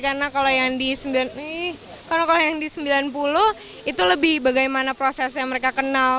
karena kalau yang di sembilan puluh itu lebih bagaimana proses yang mereka kenal